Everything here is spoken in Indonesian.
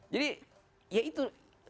jadi ya itu